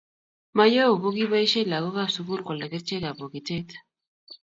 mayowe ko kibaishe lakok ab sugul kwalda kerchek ab bokitet